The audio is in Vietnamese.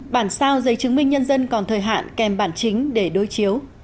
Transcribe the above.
bản sao giấy chứng minh nhân dân còn thời hạn kèm bản chính để đối chiếu